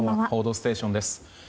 「報道ステーション」です。